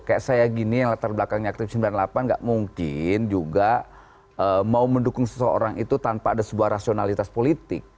kayak saya gini yang latar belakangnya aktif sembilan puluh delapan gak mungkin juga mau mendukung seseorang itu tanpa ada sebuah rasionalitas politik